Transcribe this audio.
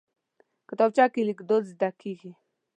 کتابچه کې لیک دود زده کېږي